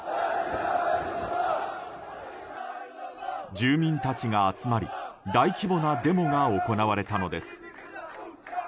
住民たちが集まり大規模なデモが行われたのです。